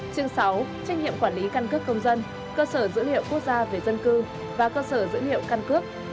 chương sáu trách nhiệm quản lý căn cước công dân cơ sở dữ liệu quốc gia về dân cư và cơ sở dữ liệu căn cước